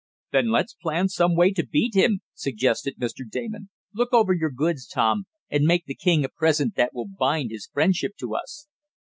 "Then let's plan some way to beat him," suggested Mr. Damon. "Look over your goods, Tom, and make the king a present that will bind his friendship to us."